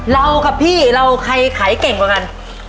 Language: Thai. เรากับพี่เราใครขายเก่งกว่ากัน